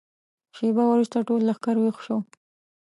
شېبه وروسته ټول لښکر ويښ شو.